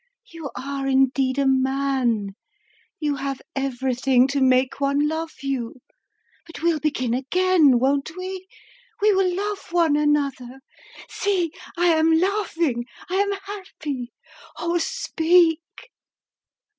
You are indeed a man; you have everything to make one love you. But we'll begin again, won't we? We will love one another. See! I am laughing; I am happy! Oh, speak!"